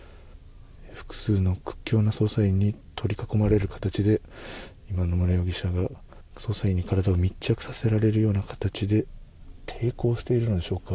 複数の屈強な捜査員に取り囲まれる形で今、野村容疑者が捜査員に体を密着させられるような形で抵抗しているのでしょうか。